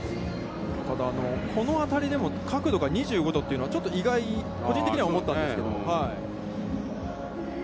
この当たりでも角度が２５度というのはちょっと意外、個人的には思ったんですけれども。